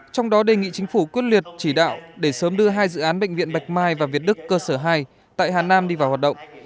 trong đó đề nghị chính phủ quyết liệt chỉ đạo để sớm đưa hai dự án bệnh viện bạch mai và việt đức cơ sở hai tại hà nam đi vào hoạt động